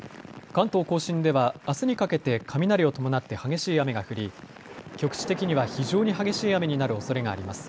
関東甲信では、あすにかけて雷を伴って激しい雨が降り局地的には非常に激しい雨になるおそれがあります。